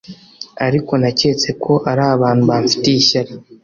ariko naketse ko ari abantu bamfitiye ishyari